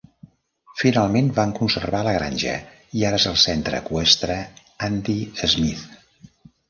Finalment van conservar la granja i ara és el centre eqüestre Andy Smith.